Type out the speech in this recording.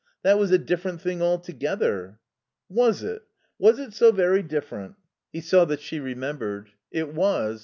That was a different thing altogether." "Was it? Was it so very different?" He saw that she remembered. "It was.